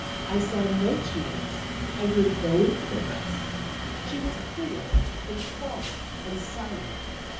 I saw no tears, I heard no inquiries. She was pale, and quiet, and silent.